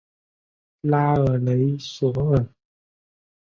拉尔雷索尔。